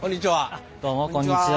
あっどうもこんにちは。